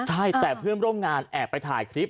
ใช่แต่เพื่อนร่วมงานแอบไปถ่ายคลิป